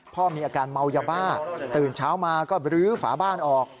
พ่อมีอาการเมายาบ้าตื่นเช้ามาก็บรื้อฝาบ้านออก